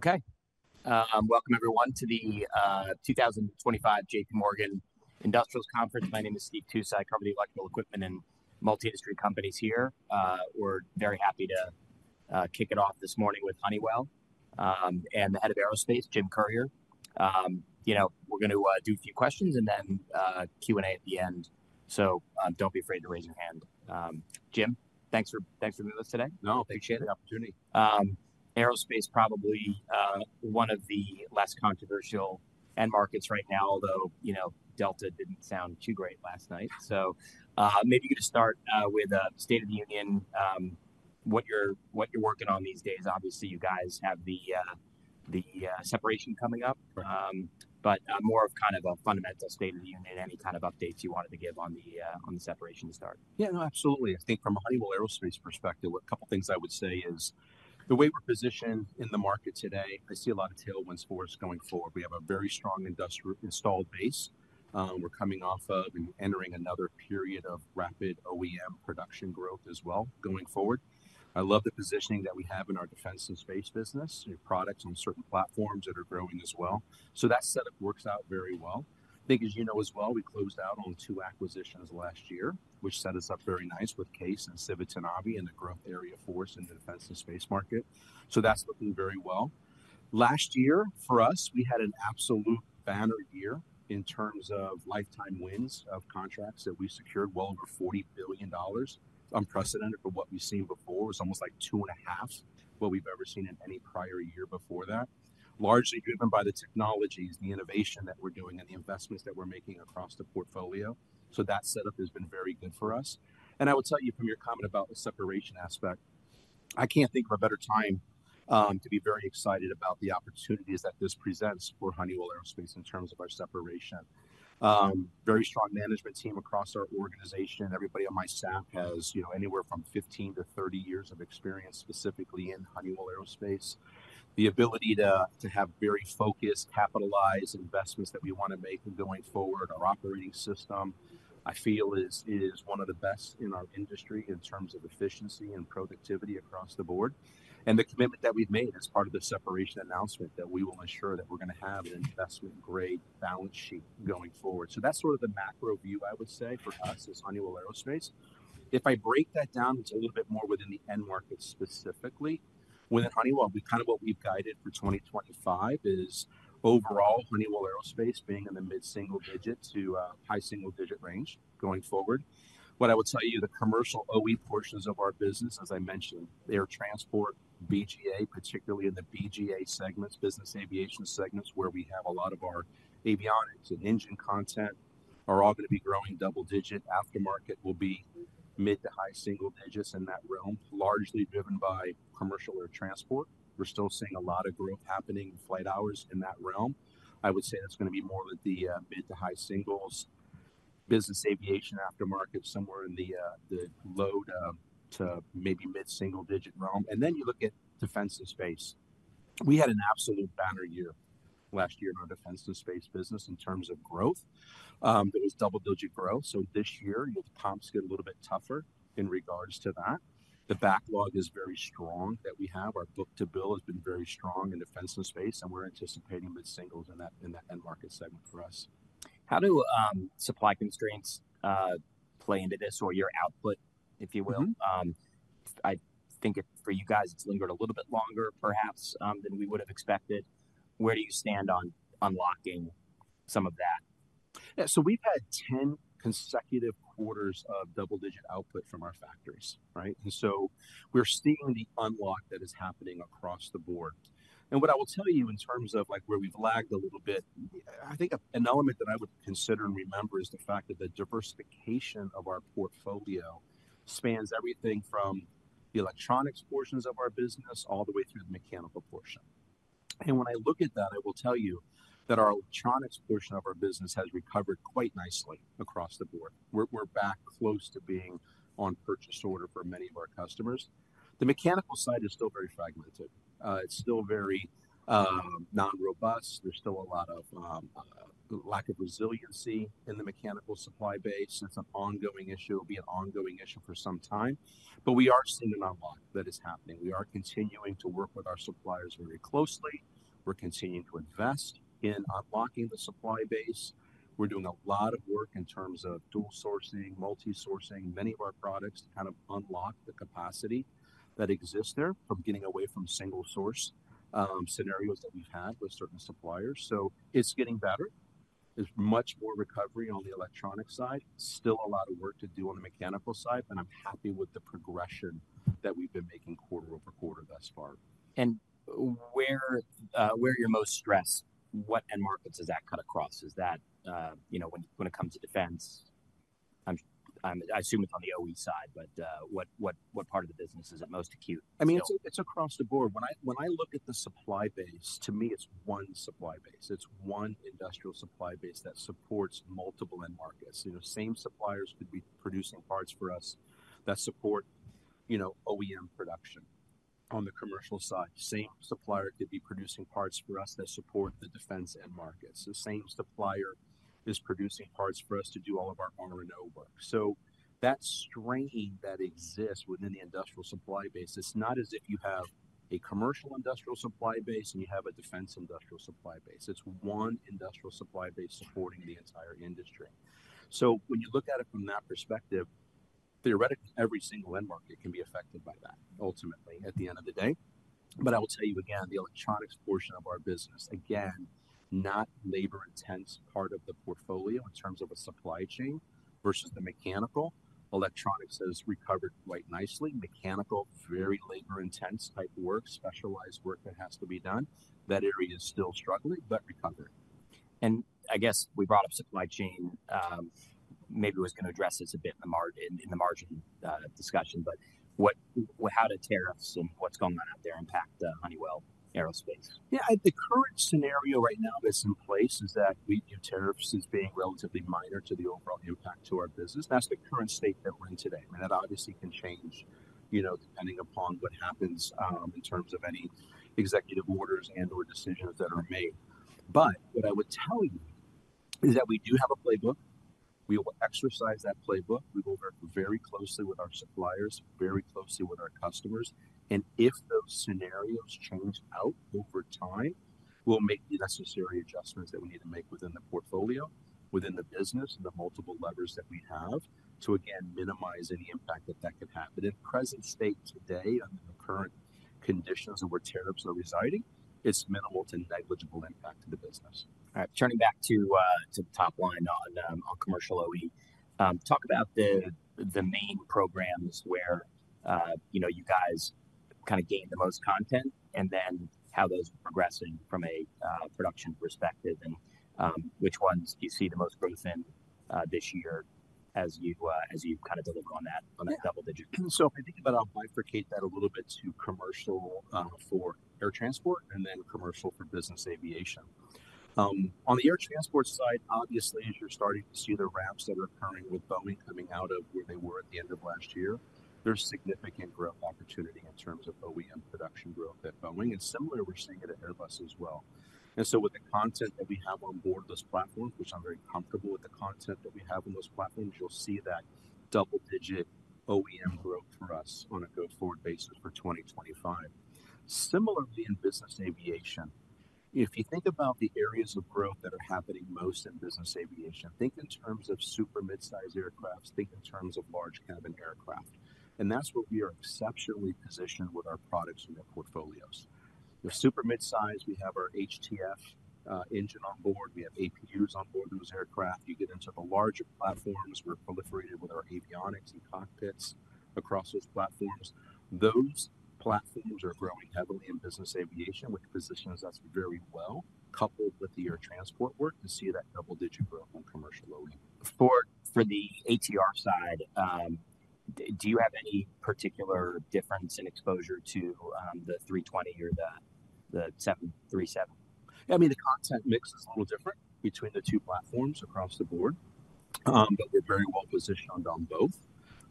Okay. Welcome everyone to the 2025 J.P. Morgan Industrials Conference. My name is Steve Tusa. I cover the electrical equipment and multi-industry companies here. We're very happy to kick it off this morning with Honeywell, and the head of Aerospace, Jim Currier. You know, we're gonna do a few questions and then Q&A at the end. Don't be afraid to raise your hand. Jim, thanks for being with us today. No, appreciate it. Great opportunity. Aerospace probably, one of the less controversial end markets right now, although, you know, Delta didn't sound too great last night. Maybe you could just start, with, state of the union, what you're, what you're working on these days. Obviously, you guys have the, the, separation coming up. Right. More of kind of a fundamental state of the union, any kind of updates you wanted to give on the separation to start. Yeah, no, absolutely. I think from a Honeywell Aerospace perspective, a couple things I would say is the way we're positioned in the market today, I see a lot of tailwinds for us going forward. We have a very strong industrial installed base. We're coming off of and entering another period of rapid OEM production growth as well going forward. I love the positioning that we have in our defense and space business, products on certain platforms that are growing as well. That setup works out very well. I think, as you know as well, we closed out on two acquisitions last year, which set us up very nice with CAES and Civitanavi Systems and the growth area for us in the defense and space market. That's looking very well. Last year, for us, we had an absolute banner year in terms of lifetime wins of contracts that we secured well over $40 billion. Unprecedented for what we've seen before. It was almost like two and a half what we've ever seen in any prior year before that, largely driven by the technologies, the innovation that we're doing, and the investments that we're making across the portfolio. That setup has been very good for us. I would tell you from your comment about the separation aspect, I can't think of a better time to be very excited about the opportunities that this presents for Honeywell Aerospace in terms of our separation. Very strong management team across our organization. Everybody on my staff has, you know, anywhere from 15 to 30 years of experience specifically in Honeywell Aerospace. The ability to have very focused, capitalized investments that we wanna make going forward, our operating system, I feel, is one of the best in our industry in terms of efficiency and productivity across the board. The commitment that we've made as part of the separation announcement is that we will ensure that we're gonna have an investment-grade balance sheet going forward. That's sort of the macro view, I would say, for us as Honeywell Aerospace. If I break that down into a little bit more within the end market specifically, within Honeywell, what we've guided for 2025 is overall Honeywell Aerospace being in the mid-single digit to high single digit range going forward. What I would tell you, the commercial OE portions of our business, as I mentioned, air transport, BGA, particularly in the BGA segments, business aviation segments, where we have a lot of our avionics and engine content are all gonna be growing double digit. Aftermarket will be mid to high single digits in that realm, largely driven by commercial air transport. We're still seeing a lot of growth happening in flight hours in that realm. I would say that's gonna be more of the mid to high singles, business aviation aftermarket, somewhere in the low to maybe mid-single digit realm. You look at defense and space. We had an absolute banner year last year in our defense and space business in terms of growth. There was double-digit growth. This year, you know, the comps get a little bit tougher in regards to that. The backlog is very strong that we have. Our book-to-bill has been very strong in defense and space, and we're anticipating mid-singles in that, in that end market segment for us. How do supply constraints play into this or your output, if you will? Mm-hmm. I think for you guys, it's lingered a little bit longer, perhaps, than we would've expected. Where do you stand on unlocking some of that? Yeah. We've had 10 consecutive quarters of double-digit output from our factories, right? We're seeing the unlock that is happening across the board. What I will tell you in terms of, like, where we've lagged a little bit, I think an element that I would consider and remember is the fact that the diversification of our portfolio spans everything from the electronics portions of our business all the way through the mechanical portion. When I look at that, I will tell you that our electronics portion of our business has recovered quite nicely across the board. We're back close to being on purchase order for many of our customers. The mechanical side is still very fragmented. It's still very non-robust. There's still a lot of lack of resiliency in the mechanical supply base. That's an ongoing issue. It'll be an ongoing issue for some time. We are seeing an unlock that is happening. We are continuing to work with our suppliers very closely. We're continuing to invest in unlocking the supply base. We're doing a lot of work in terms of dual sourcing, multi-sourcing, many of our products to kind of unlock the capacity that exists there from getting away from single source scenarios that we've had with certain suppliers. It's getting better. There's much more recovery on the electronic side. Still a lot of work to do on the mechanical side, but I'm happy with the progression that we've been making quarter over quarter thus far. Where are your most stress? What end markets does that cut across? Is that, you know, when it comes to defense? I'm, I assume it's on the OE side, but what part of the business is it most acute? I mean, it's across the board. When I look at the supply base, to me, it's one supply base. It's one industrial supply base that supports multiple end markets. You know, same suppliers could be producing parts for us that support, you know, OEM production on the commercial side. Same supplier could be producing parts for us that support the defense end markets. The same supplier is producing parts for us to do all of our R&O work. That strain that exists within the industrial supply base, it's not as if you have a commercial industrial supply base and you have a defense industrial supply base. It's one industrial supply base supporting the entire industry. When you look at it from that perspective, theoretically, every single end market can be affected by that ultimately at the end of the day. I will tell you again, the electronics portion of our business, again, not labor-intense part of the portfolio in terms of a supply chain versus the mechanical. Electronics has recovered quite nicely. Mechanical, very labor-intense type work, specialized work that has to be done. That area is still struggling but recovering. I guess we brought up supply chain. Maybe I was gonna address this a bit in the margin discussion, but what, how do tariffs and what's going on out there impact Honeywell Aerospace? Yeah. The current scenario right now that's in place is that we, you know, tariffs is being relatively minor to the overall impact to our business. That's the current state that we're in today. I mean, that obviously can change, you know, depending upon what happens, in terms of any executive orders and/or decisions that are made. What I would tell you is that we do have a playbook. We will exercise that playbook. We will work very closely with our suppliers, very closely with our customers. If those scenarios change out over time, we'll make the necessary adjustments that we need to make within the portfolio, within the business, the multiple levers that we have to, again, minimize any impact that that could have. In present state today, under the current conditions of where tariffs are residing, it's minimal to negligible impact to the business. All right. Turning back to the top line on commercial OE, talk about the main programs where, you know, you guys kind of gained the most content and then how those are progressing from a production perspective and which ones do you see the most growth in this year as you kind of deliver on that, on that double digit? If I think about, I'll bifurcate that a little bit to commercial, for air transport and then commercial for business aviation. On the air transport side, obviously, as you're starting to see the ramps that are occurring with Boeing coming out of where they were at the end of last year, there's significant growth opportunity in terms of OEM production growth at Boeing. Similar, we're seeing it at Airbus as well. With the content that we have on board those platforms, which I'm very comfortable with the content that we have on those platforms, you'll see that double-digit OEM growth for us on a go-forward basis for 2025. Similarly, in business aviation, if you think about the areas of growth that are happening most in business aviation, think in terms of super mid-size aircraft, think in terms of large cabin aircraft. That is where we are exceptionally positioned with our products and our portfolios. The super mid-size, we have our HTF engine on board. We have APUs on board those aircraft. You get into the larger platforms. We are proliferated with our avionics and cockpits across those platforms. Those platforms are growing heavily in business aviation, which positions us very well coupled with the air transport work to see that double-digit growth on commercial OEM. For the ATR side, do you have any particular difference in exposure to the 320 or the 737? Yeah. I mean, the content mix is a little different between the two platforms across the board, but we're very well positioned on both.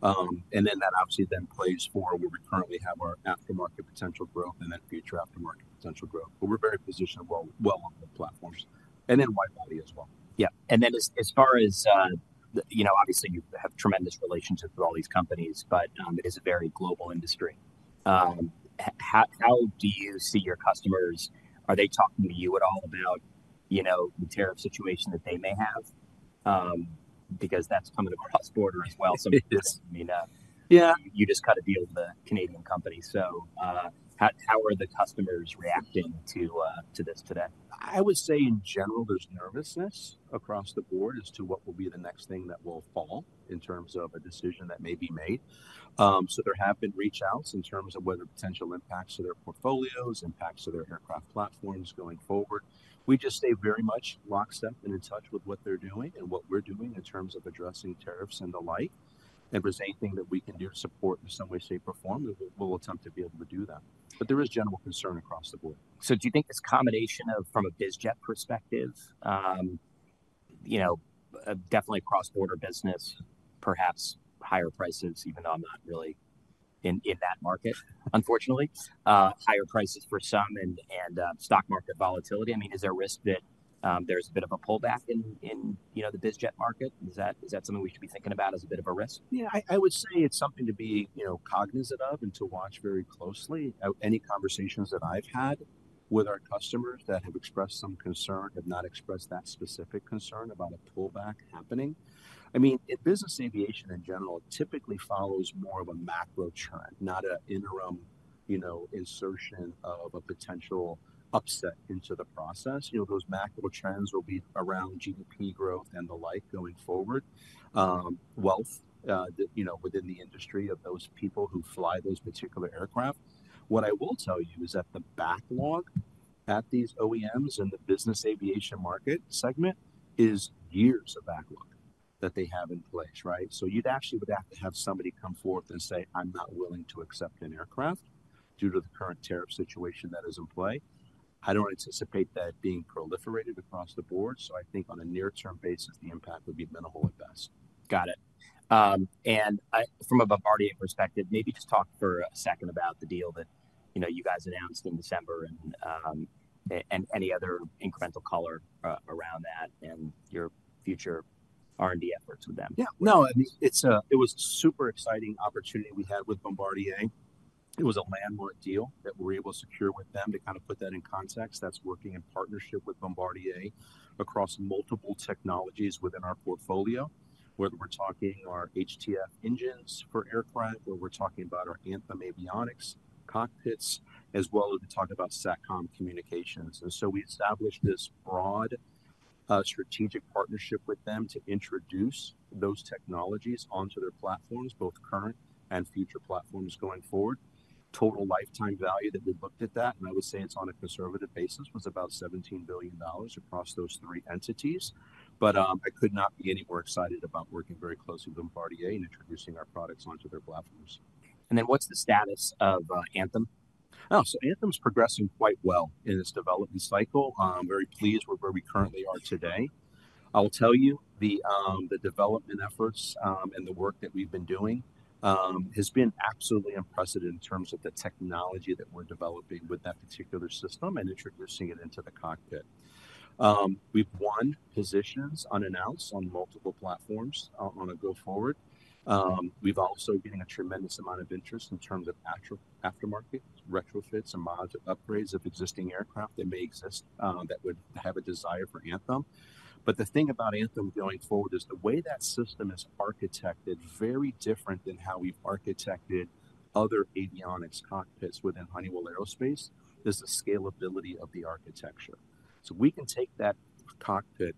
That obviously then plays for where we currently have our aftermarket potential growth and then future aftermarket potential growth. We're very positioned well on both platforms and then wide body as well. Yeah. As far as, you know, obviously you have tremendous relationships with all these companies, but it is a very global industry. How do you see your customers? Are they talking to you at all about, you know, the tariff situation that they may have? Because that's coming across border as well. Some of this, I mean, Yeah. You just got to deal with the Canadian company. How are the customers reacting to this today? I would say in general, there's nervousness across the board as to what will be the next thing that will fall in terms of a decision that may be made. There have been reach-outs in terms of whether potential impacts to their portfolios, impacts to their aircraft platforms going forward. We just stay very much lockstep and in touch with what they're doing and what we're doing in terms of addressing tariffs and the like. If there's anything that we can do to support in some way, shape, or form, we will, we'll attempt to be able to do that. There is general concern across the board. Do you think this combination of, from a BizJet perspective, you know, definitely cross-border business, perhaps higher prices, even though I'm not really in, in that market, unfortunately, higher prices for some and, and, stock market volatility? I mean, is there a risk that there's a bit of a pullback in, in, you know, the BizJet market? Is that something we should be thinking about as a bit of a risk? Yeah. I would say it's something to be, you know, cognizant of and to watch very closely. Any conversations that I've had with our customers that have expressed some concern have not expressed that specific concern about a pullback happening. I mean, in business aviation in general, it typically follows more of a macro trend, not an interim, you know, insertion of a potential upset into the process. You know, those macro trends will be around GDP growth and the like going forward, wealth, you know, within the industry of those people who fly those particular aircraft. What I will tell you is that the backlog at these OEMs in the business aviation market segment is years of backlog that they have in place, right? You'd actually would have to have somebody come forth and say, "I'm not willing to accept an aircraft due to the current tariff situation that is in play." I don't anticipate that being proliferated across the board. I think on a near-term basis, the impact would be minimal at best. Got it. And I, from a Bombardier perspective, maybe just talk for a second about the deal that, you know, you guys announced in December and any other incremental color around that and your future R&D efforts with them. Yeah. No, I mean, it's a, it was a super exciting opportunity we had with Bombardier. It was a landmark deal that we were able to secure with them to kind of put that in context. That's working in partnership with Bombardier across multiple technologies within our portfolio, whether we're talking our HTF engines for aircraft, whether we're talking about our Anthem avionics, cockpits, as well as we talk about SATCOM communications. We established this broad, strategic partnership with them to introduce those technologies onto their platforms, both current and future platforms going forward. Total lifetime value that we looked at that, and I would say it's on a conservative basis, was about $17 billion across those three entities. I could not be any more excited about working very closely with Bombardier and introducing our products onto their platforms. What's the status of Anthem? Oh, so Anthem's progressing quite well in its development cycle. Very pleased with where we currently are today. I'll tell you, the development efforts, and the work that we've been doing, has been absolutely unprecedented in terms of the technology that we're developing with that particular system and introducing it into the cockpit. We've won positions unannounced on multiple platforms, on a go-forward. We've also gained a tremendous amount of interest in terms of aftermarket retrofits and mod upgrades of existing aircraft that may exist, that would have a desire for Anthem. The thing about Anthem going forward is the way that system is architected is very different than how we've architected other avionics cockpits within Honeywell Aerospace. There's a scalability of the architecture. We can take that cockpit,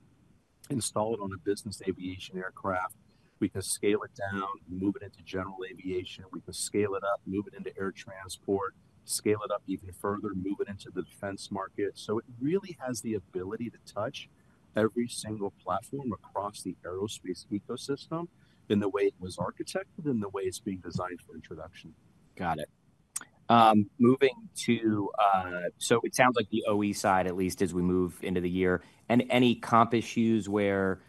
install it on a business aviation aircraft. We can scale it down, move it into general aviation. We can scale it up, move it into air transport, scale it up even further, move it into the defense market. It really has the ability to touch every single platform across the aerospace ecosystem in the way it was architected and the way it's being designed for introduction. Got it. Moving to, it sounds like the OE side, at least as we move into the year, and any comp issues where,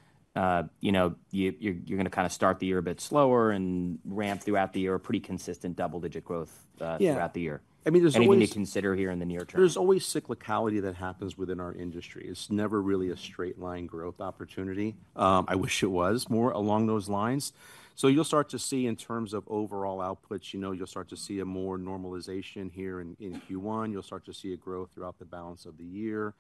you know, you're gonna kind of start the year a bit slower and ramp throughout the year, pretty consistent double-digit growth throughout the year. Yeah. I mean, there's always. Anything to consider here in the near term? There's always cyclicality that happens within our industry. It's never really a straight-line growth opportunity. I wish it was more along those lines. You start to see in terms of overall outputs, you know, you start to see a more normalization here in, in Q1. You start to see a growth throughout the balance of the year.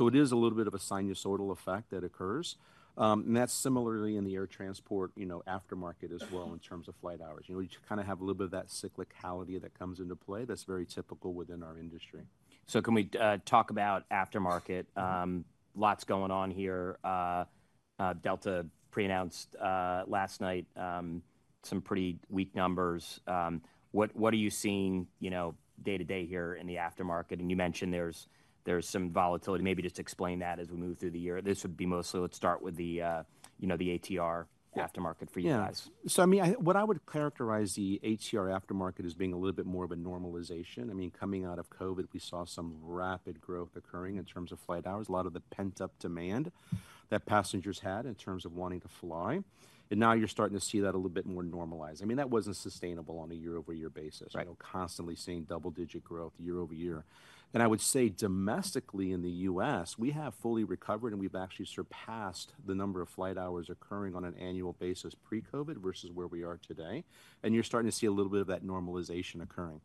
It is a little bit of a sinusoidal effect that occurs. That's similarly in the air transport, you know, aftermarket as well in terms of flight hours. You know, we kind of have a little bit of that cyclicality that comes into play that's very typical within our industry. Can we talk about aftermarket? Lots going on here. Delta pre-announced last night some pretty weak numbers. What are you seeing, you know, day to day here in the aftermarket? You mentioned there's some volatility. Maybe just explain that as we move through the year. This would be mostly, let's start with the, you know, the ATR aftermarket for you guys. Yeah. I mean, I would characterize the ATR aftermarket as being a little bit more of a normalization. I mean, coming out of COVID, we saw some rapid growth occurring in terms of flight hours, a lot of the pent-up demand that passengers had in terms of wanting to fly. Now you're starting to see that a little bit more normalized. I mean, that wasn't sustainable on a year-over-year basis. Right. You know, constantly seeing double-digit growth year over year. I would say domestically in the U.S., we have fully recovered and we've actually surpassed the number of flight hours occurring on an annual basis pre-COVID versus where we are today. You're starting to see a little bit of that normalization occurring.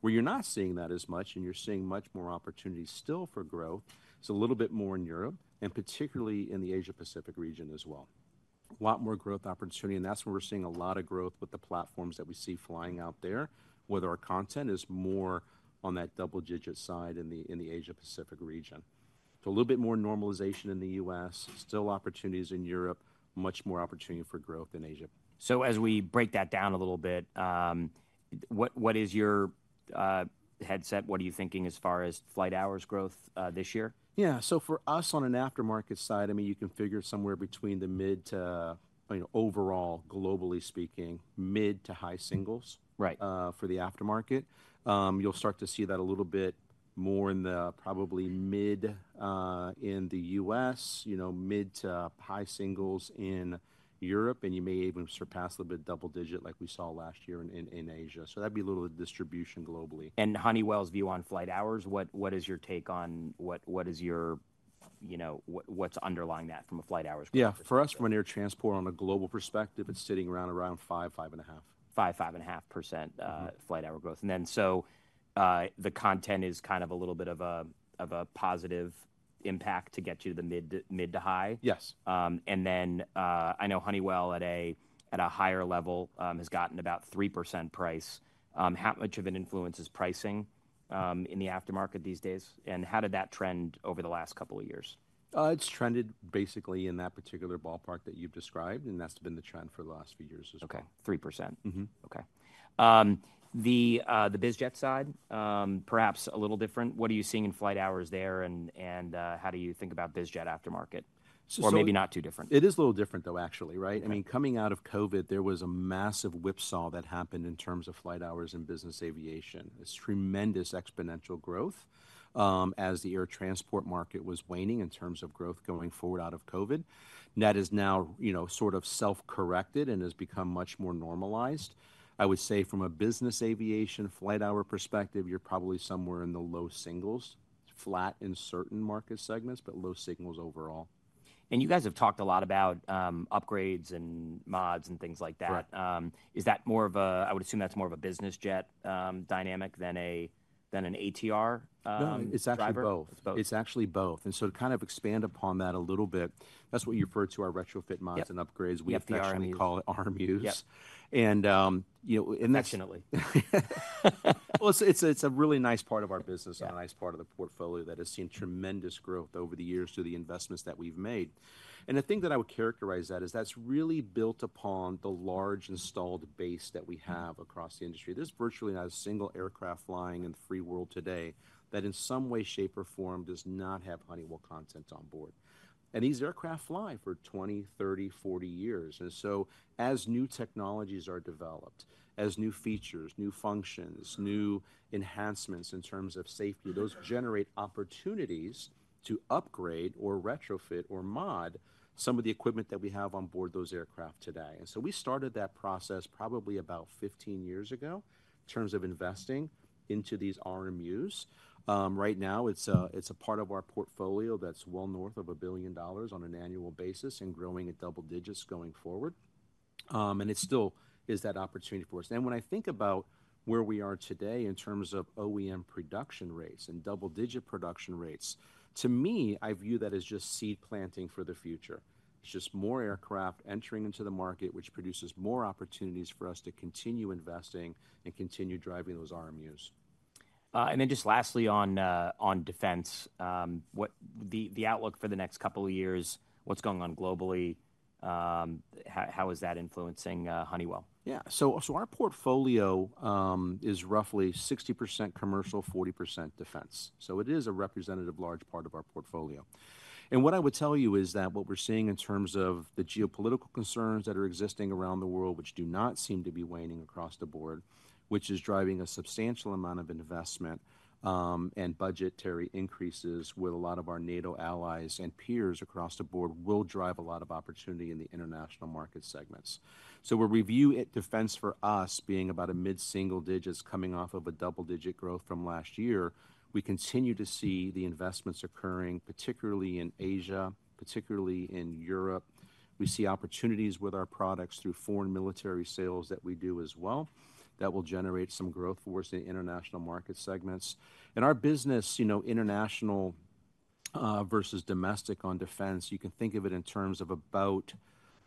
Where you're not seeing that as much and you're seeing much more opportunity still for growth, it's a little bit more in Europe and particularly in the Asia-Pacific region as well. A lot more growth opportunity. That's where we're seeing a lot of growth with the platforms that we see flying out there, whether our content is more on that double-digit side in the, in the Asia-Pacific region. A little bit more normalization in the U.S., still opportunities in Europe, much more opportunity for growth in Asia. As we break that down a little bit, what is your headset? What are you thinking as far as flight hours growth this year? Yeah. For us on an aftermarket side, I mean, you can figure somewhere between the mid to, you know, overall, globally speaking, mid to high singles. Right. for the aftermarket. You'll start to see that a little bit more in the probably mid, in the U.S., you know, mid to high singles in Europe, and you may even surpass a little bit double-digit like we saw last year in Asia. That'd be a little of the distribution globally. Honeywell's view on flight hours, what is your take on what is your, you know, what is underlying that from a flight hours growth? Yeah. For us, from an air transport on a global perspective, it's sitting around, around five, five and a half. Five, five and a half percent flight hour growth. The content is kind of a little bit of a positive impact to get you to the mid, mid to high. Yes. I know Honeywell at a, at a higher level, has gotten about 3% price. How much of an influence is pricing in the aftermarket these days? How did that trend over the last couple of years? It's trended basically in that particular ballpark that you've described, and that's been the trend for the last few years as well. Okay. 3%. Mm-hmm. Okay. The BizJet side, perhaps a little different. What are you seeing in flight hours there, and how do you think about BizJet aftermarket? Or maybe not too different. It is a little different though, actually, right? I mean, coming out of COVID, there was a massive whipsaw that happened in terms of flight hours in business aviation. It's tremendous exponential growth, as the air transport market was waning in terms of growth going forward out of COVID. That is now, you know, sort of self-corrected and has become much more normalized. I would say from a business aviation flight hour perspective, you're probably somewhere in the low singles, flat in certain market segments, but low singles overall. You guys have talked a lot about upgrades and mods and things like that. Right. Is that more of a, I would assume that's more of a business jet, dynamic than a, than an ATR, driver? No, it's actually both. Both. It's actually both. To kind of expand upon that a little bit, that's what you refer to our retrofit mods and upgrades. Yeah. We actually call it RMUs. Yeah. You know, and that's. Definitely. It's a really nice part of our business and a nice part of the portfolio that has seen tremendous growth over the years through the investments that we've made. The thing that I would characterize is that's really built upon the large installed base that we have across the industry. There's virtually not a single aircraft flying in the free world today that in some way, shape, or form does not have Honeywell content on board. These aircraft fly for 20, 30, 40 years. As new technologies are developed, as new features, new functions, new enhancements in terms of safety, those generate opportunities to upgrade or retrofit or mod some of the equipment that we have on board those aircraft today. We started that process probably about 15 years ago in terms of investing into these RMUs. Right now it's a part of our portfolio that's well north of $1 billion on an annual basis and growing at double digits going forward. It still is that opportunity for us. When I think about where we are today in terms of OEM production rates and double-digit production rates, to me, I view that as just seed planting for the future. It's just more aircraft entering into the market, which produces more opportunities for us to continue investing and continue driving those RMUs. Lastly, on defense, what is the outlook for the next couple of years, what's going on globally, how is that influencing Honeywell? Yeah. Our portfolio is roughly 60% commercial, 40% defense. It is a representative large part of our portfolio. What I would tell you is that what we're seeing in terms of the geopolitical concerns that are existing around the world, which do not seem to be waning across the board, is driving a substantial amount of investment and budgetary increases with a lot of our NATO allies and peers across the board, which will drive a lot of opportunity in the international market segments. We're reviewing defense for us being about a mid-single digits coming off of a double-digit growth from last year. We continue to see the investments occurring, particularly in Asia, particularly in Europe. We see opportunities with our products through Foreign Military Sales that we do as well that will generate some growth for us in international market segments. Our business, you know, international versus domestic on defense, you can think of it in terms of about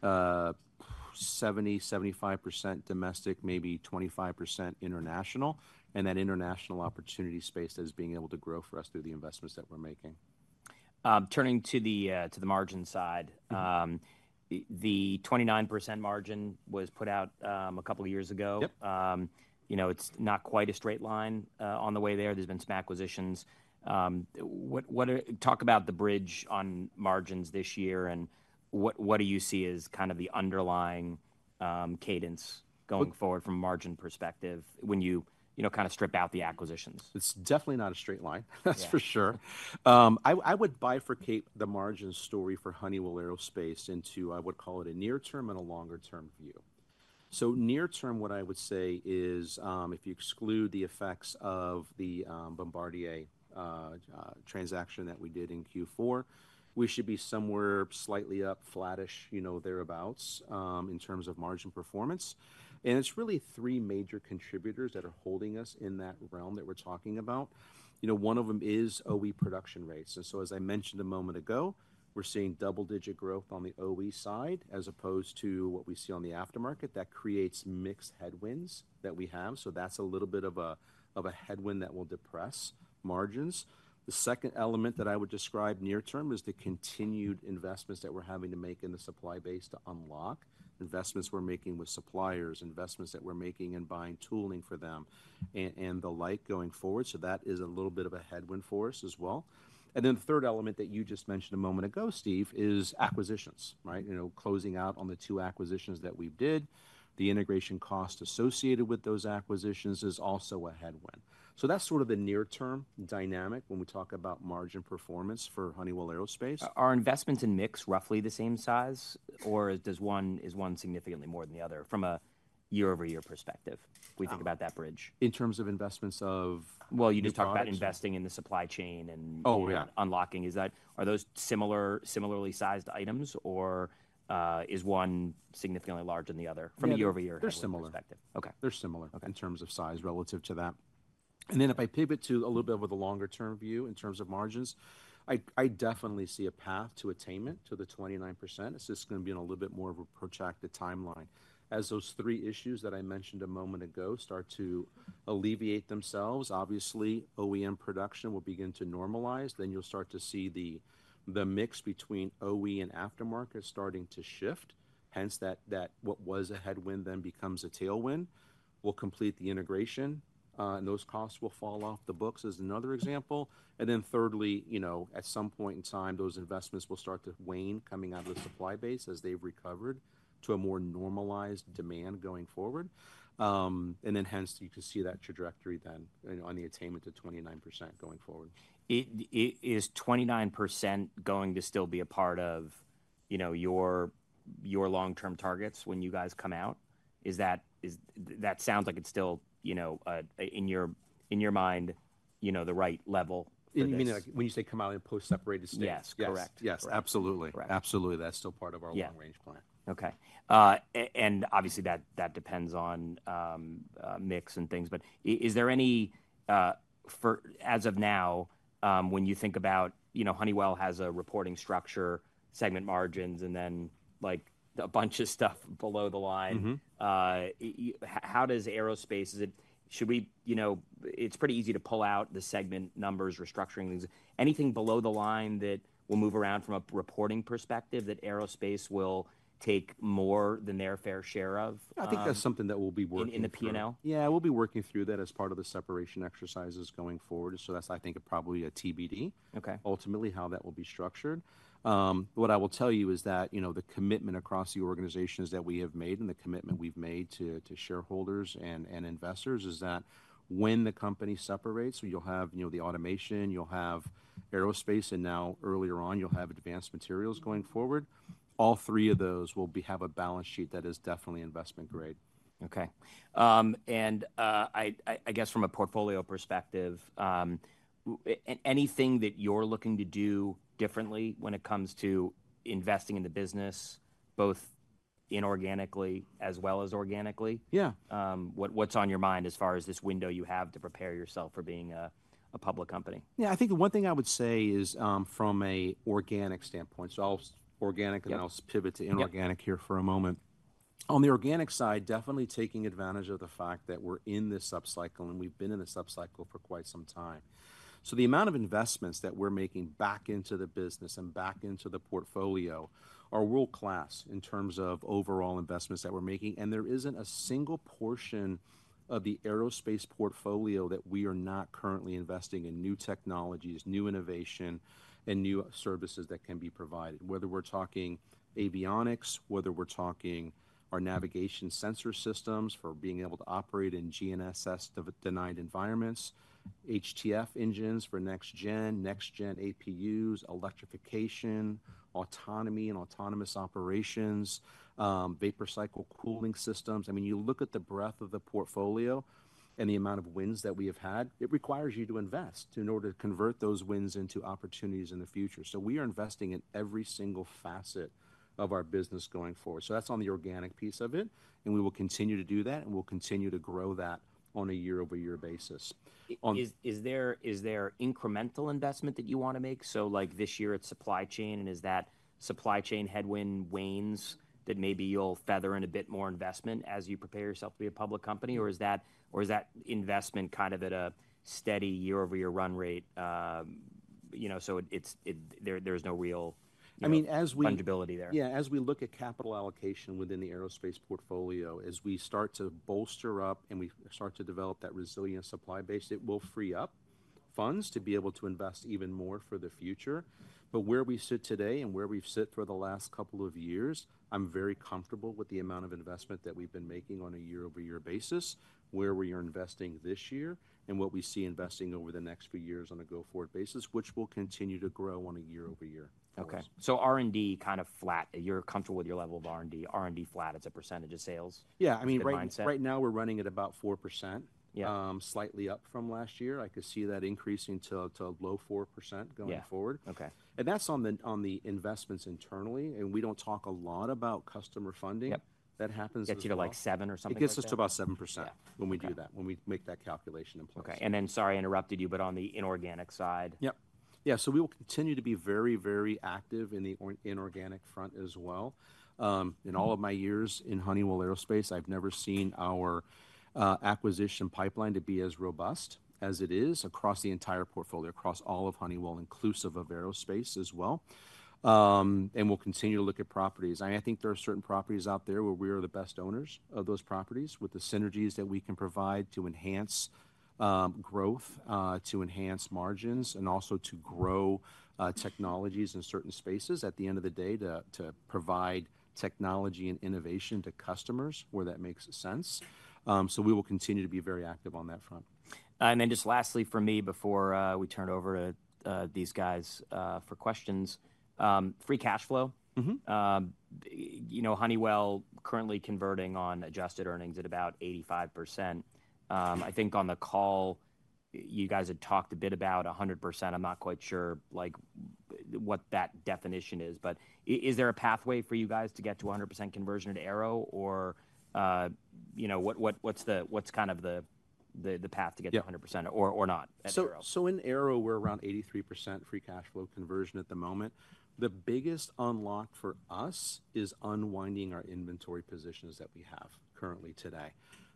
70-75% domestic, maybe 25% international, and that international opportunity space that is being able to grow for us through the investments that we're making. Turning to the, to the margin side, the 29% margin was put out, a couple of years ago. Yep. You know, it's not quite a straight line on the way there. There's been some acquisitions. What are, talk about the bridge on margins this year and what do you see as kind of the underlying cadence going forward from a margin perspective when you, you know, kind of strip out the acquisitions? It's definitely not a straight line. Yeah. That's for sure. I would bifurcate the margin story for Honeywell Aerospace into, I would call it a near-term and a longer-term view. Near-term, what I would say is, if you exclude the effects of the Bombardier transaction that we did in Q4, we should be somewhere slightly up, flattish, you know, thereabouts, in terms of margin performance. It's really three major contributors that are holding us in that realm that we're talking about. You know, one of them is OE production rates. As I mentioned a moment ago, we're seeing double-digit growth on the OE side as opposed to what we see on the aftermarket. That creates mixed headwinds that we have. That's a little bit of a headwind that will depress margins. The second element that I would describe near-term is the continued investments that we're having to make in the supply base to unlock investments we're making with suppliers, investments that we're making and buying tooling for them and the like going forward. That is a little bit of a headwind for us as well. The third element that you just mentioned a moment ago, Steve, is acquisitions, right? You know, closing out on the two acquisitions that we did. The integration cost associated with those acquisitions is also a headwind. That is sort of the near-term dynamic when we talk about margin performance for Honeywell Aerospace. Are investments in mix roughly the same size or does one, is one significantly more than the other from a year-over-year perspective? Yeah. If we think about that bridge. In terms of investments? You just talked about investing in the supply chain and. Oh, yeah. Unlocking. Is that, are those similar, similarly sized items, or is one significantly larger than the other from a year-over-year perspective? They're similar. Okay. They're similar in terms of size relative to that. If I pivot to a little bit of a longer-term view in terms of margins, I definitely see a path to attainment to the 29%. It's just gonna be in a little bit more of a protracted timeline. As those three issues that I mentioned a moment ago start to alleviate themselves, obviously OEM production will begin to normalize. You'll start to see the mix between OE and aftermarket starting to shift. Hence, what was a headwind then becomes a tailwind. We'll complete the integration, and those costs will fall off the books as another example. Thirdly, you know, at some point in time, those investments will start to wane coming out of the supply base as they've recovered to a more normalized demand going forward. and then hence you can see that trajectory then, you know, on the attainment to 29% going forward. Is 29% going to still be a part of, you know, your long-term targets when you guys come out? Is that, is that, sounds like it's still, you know, in your mind, you know, the right level for this? You mean like when you say come out in a post-separated state? Yes. Correct. Yes. Absolutely. Absolutely. That's still part of our long-range plan. Yeah. Okay. And obviously that depends on mix and things. But is there any, for as of now, when you think about, you know, Honeywell has a reporting structure, segment margins, and then like a bunch of stuff below the line. Mm-hmm. How does aerospace, is it, should we, you know, it's pretty easy to pull out the segment numbers, restructuring things. Anything below the line that will move around from a reporting perspective that aerospace will take more than their fair share of? I think that's something that we'll be working through. In the P&L? Yeah. We'll be working through that as part of the separation exercises going forward. That's, I think, probably a TBD. Okay. Ultimately how that will be structured. What I will tell you is that, you know, the commitment across the organizations that we have made and the commitment we've made to, to shareholders and, and investors is that when the company separates, you'll have, you know, the automation, you'll have aerospace, and now earlier on, you'll have advanced materials going forward. All three of those will have a balance sheet that is definitely investment grade. Okay. I guess from a portfolio perspective, anything that you're looking to do differently when it comes to investing in the business, both inorganically as well as organically? Yeah. What, what's on your mind as far as this window you have to prepare yourself for being a, a public company? Yeah. I think the one thing I would say is, from an organic standpoint, I'll organic and I'll pivot to inorganic here for a moment. On the organic side, definitely taking advantage of the fact that we're in this upcycle and we've been in this upcycle for quite some time. The amount of investments that we're making back into the business and back into the portfolio are world-class in terms of overall investments that we're making. There isn't a single portion of the aerospace portfolio that we are not currently investing in new technologies, new innovation, and new services that can be provided. Whether we're talking avionics, whether we're talking our navigation sensor systems for being able to operate in GNSS-denied environments, HTF engines for next-gen, next-gen APUs, electrification, autonomy and autonomous operations, vapor cycle cooling systems. I mean, you look at the breadth of the portfolio and the amount of wins that we have had, it requires you to invest in order to convert those wins into opportunities in the future. We are investing in every single facet of our business going forward. That's on the organic piece of it. We will continue to do that and we'll continue to grow that on a year-over-year basis. Is there, is there incremental investment that you wanna make? Like this year at supply chain, and as that supply chain headwind wanes, that maybe you'll feather in a bit more investment as you prepare yourself to be a public company? Or is that, or is that investment kind of at a steady year-over-year run rate, you know, so it's, there's no real. I mean, as we. Fungibility there. Yeah. As we look at capital allocation within the aerospace portfolio, as we start to bolster up and we start to develop that resilient supply base, it will free up funds to be able to invest even more for the future. Where we sit today and where we've sit for the last couple of years, I'm very comfortable with the amount of investment that we've been making on a year-over-year basis, where we are investing this year, and what we see investing over the next few years on a go-forward basis, which will continue to grow on a year-over-year basis. Okay. R&D kind of flat. You're comfortable with your level of R&D. R&D flat, it's a percentage of sales in your mindset? Yeah. I mean, right now we're running at about 4%. Yeah. Slightly up from last year. I could see that increasing to a low 4% going forward. Yeah. Okay. That's on the investments internally. We don't talk a lot about customer funding. Yep. That happens. Gets you to like seven or something like that? It gets us to about 7% when we do that, when we make that calculation in place. Okay. Sorry I interrupted you, but on the inorganic side. Yep. Yeah. We will continue to be very, very active in the inorganic front as well. In all of my years in Honeywell Aerospace, I've never seen our acquisition pipeline to be as robust as it is across the entire portfolio, across all of Honeywell, inclusive of aerospace as well. We will continue to look at properties. I think there are certain properties out there where we are the best owners of those properties with the synergies that we can provide to enhance growth, to enhance margins, and also to grow technologies in certain spaces at the end of the day to provide technology and innovation to customers where that makes sense. We will continue to be very active on that front. Lastly for me, before we turn it over to these guys for questions, free cash flow. Mm-hmm. You know, Honeywell currently converting on adjusted earnings at about 85%. I think on the call, you guys had talked a bit about 100%. I'm not quite sure like what that definition is, but is there a pathway for you guys to get to 100% conversion at Aero or, you know, what, what's the, what's kind of the path to get to 100% or not at Aero? In Aero we're around 83% free cash flow conversion at the moment. The biggest unlock for us is unwinding our inventory positions that we have currently today.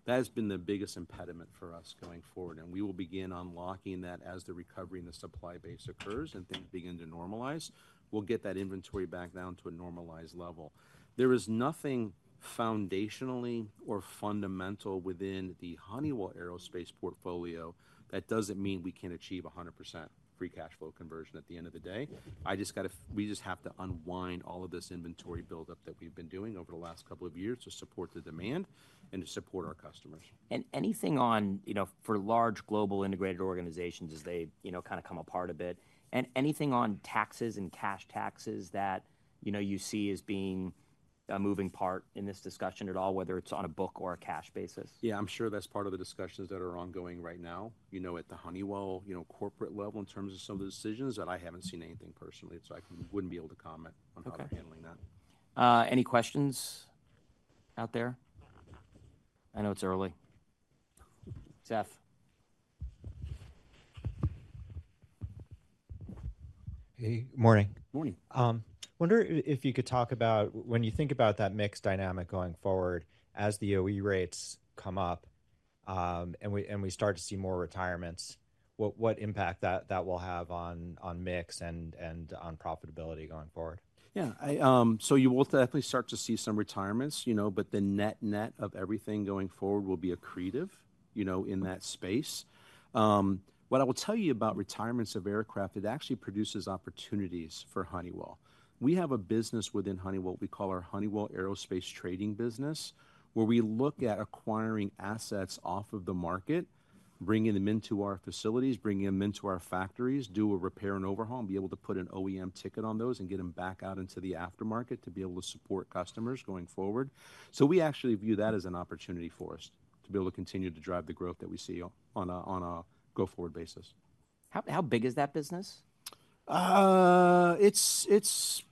That has been the biggest impediment for us going forward. We will begin unlocking that as the recovery in the supply base occurs and things begin to normalize. We'll get that inventory back down to a normalized level. There is nothing foundationally or fundamental within the Honeywell Aerospace portfolio that doesn't mean we can't achieve 100% free cash flow conversion at the end of the day. I just gotta, we just have to unwind all of this inventory buildup that we've been doing over the last couple of years to support the demand and to support our customers. Anything on, you know, for large global integrated organizations as they, you know, kind of come apart a bit, and anything on taxes and cash taxes that, you know, you see as being a moving part in this discussion at all, whether it's on a book or a cash basis? Yeah. I'm sure that's part of the discussions that are ongoing right now. You know, at the Honeywell, you know, corporate level in terms of some of the decisions that I haven't seen anything personally. So I wouldn't be able to comment on how they're handling that. Okay. Any questions out there? I know it's early. Seth. Hey, good morning. Morning. Wonder if you could talk about when you think about that mix dynamic going forward as the OE rates come up, and we start to see more retirements, what impact that will have on mix and on profitability going forward? Yeah. I, so you will definitely start to see some retirements, you know, but the net-net of everything going forward will be accretive, you know, in that space. What I will tell you about retirements of aircraft, it actually produces opportunities for Honeywell. We have a business within Honeywell, what we call our Honeywell Aerospace Trading business, where we look at acquiring assets off of the market, bringing them into our facilities, bringing them into our factories, do a repair and overhaul, and be able to put an OEM ticket on those and get them back out into the aftermarket to be able to support customers going forward. We actually view that as an opportunity for us to be able to continue to drive the growth that we see on a, on a go-forward basis. How big is that business? It's, it's,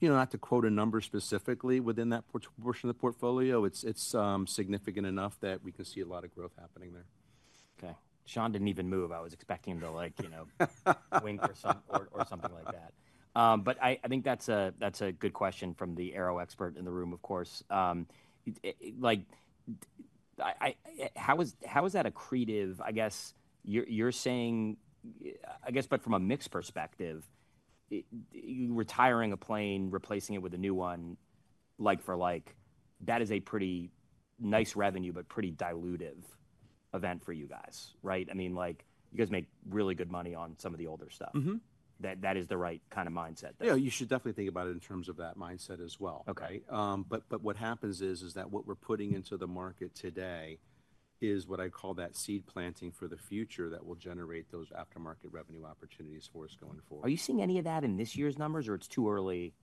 you know, not to quote a number specifically within that portion of the portfolio, it's, it's significant enough that we can see a lot of growth happening there. Okay. Seth didn't even move. I was expecting him to like, you know, wink or something or something like that. I think that's a good question from the Aero expert in the room, of course. Like, I, how is, how is that accretive? I guess you're saying, I guess, but from a mix perspective, retiring a plane, replacing it with a new one, like for like, that is a pretty nice revenue, but pretty dilutive event for you guys, right? I mean, like you guys make really good money on some of the older stuff. Mm-hmm. That is the right kind of mindset that. Yeah. You should definitely think about it in terms of that mindset as well. Okay. Right? What happens is that what we're putting into the market today is what I call that seed planting for the future that will generate those aftermarket revenue opportunities for us going forward. Are you seeing any of that in this year's numbers or it's too early,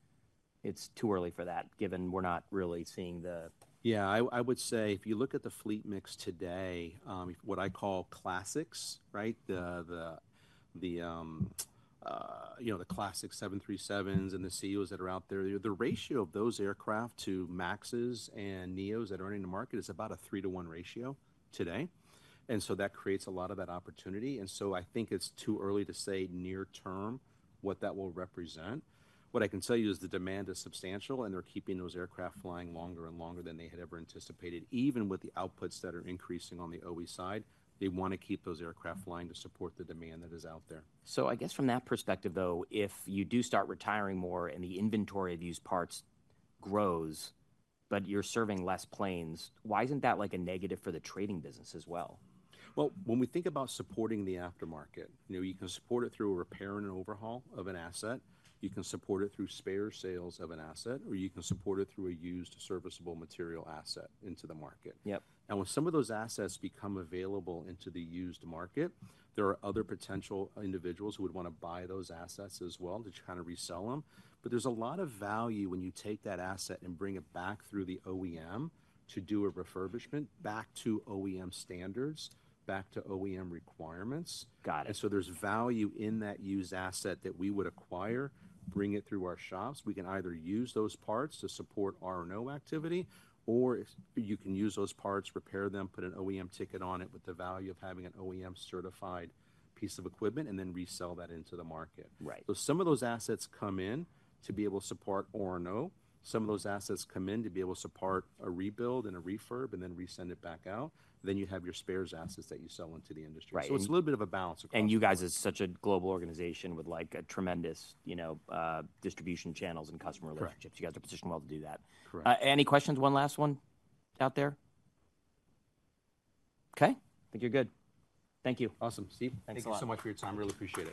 it's too early for that given we're not really seeing the. Yeah. I would say if you look at the fleet mix today, what I call classics, right? The, you know, the classic 737s and the CEOs that are out there, the ratio of those aircraft to MAXs and NEOs that are in the market is about a three-to-one ratio today. That creates a lot of that opportunity. I think it's too early to say near-term what that will represent. What I can tell you is the demand is substantial and they're keeping those aircraft flying longer and longer than they had ever anticipated. Even with the outputs that are increasing on the OE side, they want to keep those aircraft flying to support the demand that is out there. I guess from that perspective though, if you do start retiring more and the inventory of these parts grows, but you're serving less planes, why isn't that like a negative for the trading business as well? When we think about supporting the aftermarket, you know, you can support it through a repair and an overhaul of an asset. You can support it through spare sales of an asset, or you can support it through a used serviceable material asset into the market. Yep. Now, when some of those assets become available into the used market, there are other potential individuals who would wanna buy those assets as well to kind of resell them. There is a lot of value when you take that asset and bring it back through the OEM to do a refurbishment back to OEM standards, back to OEM requirements. Got it. There is value in that used asset that we would acquire, bring it through our shops. We can either use those parts to support R&O activity, or you can use those parts, repair them, put an OEM ticket on it with the value of having an OEM certified piece of equipment and then resell that into the market. Right. Some of those assets come in to be able to support R&O. Some of those assets come in to be able to support a rebuild and a refurb and then resend it back out. You have your spares assets that you sell into the industry. Right. It's a little bit of a balance across. You guys are such a global organization with like a tremendous, you know, distribution channels and customer relationships. Correct. You guys are positioned well to do that. Correct. Any questions? One last one out there? Okay. I think you're good. Thank you. Awesome. Steve, thanks a lot. Thank you so much for your time. I really appreciate it.